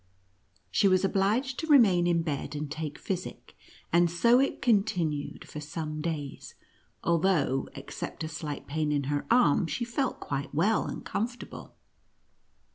She was obliged to remain in bed and take physic, and so it continued for some days, although except a slight pain in her arm, she felt quite well and comfortable.